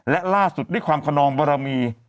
และล่าสุดด้วยความขนองบรมี